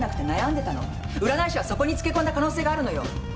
占い師はそこにつけ込んだ可能性があるのよ。